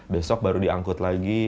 besok baru diangkut lagi